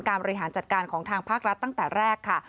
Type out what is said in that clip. บริหารจัดการของทางภาครัฐตั้งแต่แรกค่ะ